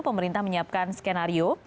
pemerintah menyiapkan skenario